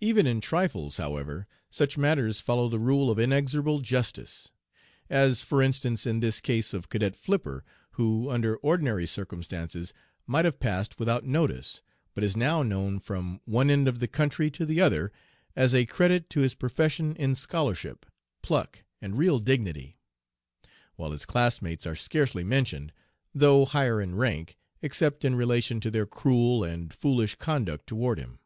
Even in trifles, however, such matters follow the rule of inexorable justice as, for instance, in this case of Cadet Flipper, who under ordinary circumstances might have passed without notice, but is now known from one end of the country to the other as a credit to his profession in scholarship, pluck, and real dignity; while his classmates are scarcely mentioned, though higher in rank, except in relation to their cruel and foolish conduct toward him."